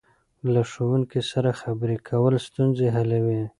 له ښوونکي سره خبرې کول ستونزې حلوي.